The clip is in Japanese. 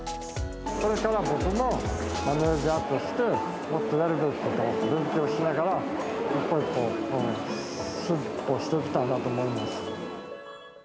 これから僕もマネージャーとして、もっとやるべきことを勉強しながら、一歩一歩、進歩していきたいなと思います。